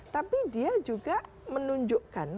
tapi dia juga menunjukkan